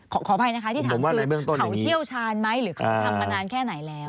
ขออภัยนะคะที่ถามคือเขาเชี่ยวชาญไหมหรือเขาทำมานานแค่ไหนแล้ว